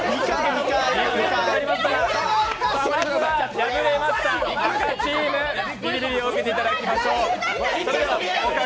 敗れました赤チーム、ビリビリを受けていただきましょう。